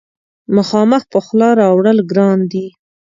مخامخ په خوله راوړل ګران دي.